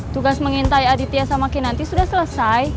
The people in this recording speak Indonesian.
tugas mengintai aditya sama kinanti sudah selesai